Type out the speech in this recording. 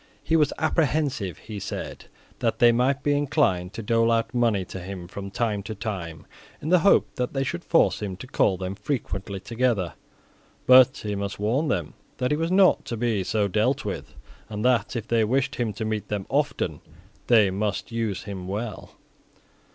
He was apprehensive, he said, that they might be inclined to dole out money to him from time to time, in the hope that they should thus force him to call them frequently together. But he must warn them that he was not to be so dealt with, and that, if they wished him to meet them often they must use him well.